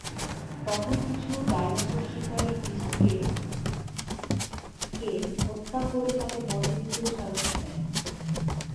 তখন কিছু ডাইনোসর শিকারী পিসুকে-কে হত্যা করে তাকে মডেল হিসেবে সাজাতে চায়।